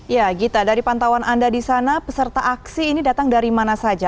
ya gita dari pantauan anda di sana peserta aksi ini datang dari mana saja